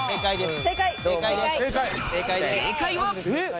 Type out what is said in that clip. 正解は。